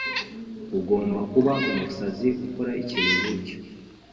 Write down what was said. Ugomba kuba umusazi gukora ikintu nkicyo.